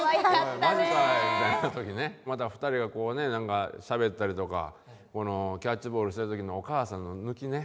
まだ２人がこうね何かしゃべったりとかこのキャッチボールしてる時のお母さんの向きね。